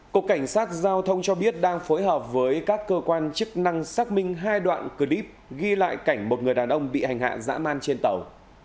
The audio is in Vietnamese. cục cảnh sát giao thông cho biết đang phối hợp với các cơ quan chức năng xác minh hai đoạn clip ghi lại cảnh một người đàn ông bị hành hạ dã man trên tàu